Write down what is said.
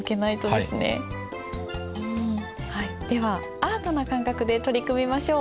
ではアートな感覚で取り組みましょう。